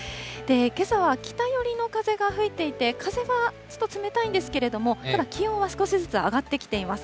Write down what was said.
けさは北寄りの風が吹いていて、風がちょっと冷たいんですけれども、ただ気温は少しずつ上がってきています。